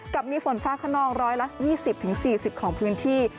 กับมีฝนฟ้าขนองร้อยละ๒๐๔๐ของพื้นที่